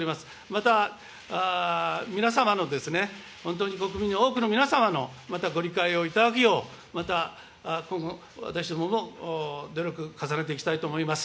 また、皆様の、本当に国民の多くの皆様のまたご理解をいただくよう、また今後、私どもの努力重ねていきたいと思います。